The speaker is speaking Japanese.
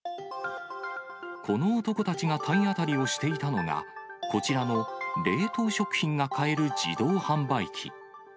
この男たちが体当たりをしていたのが、こちらの冷凍食品が買える自動販売機。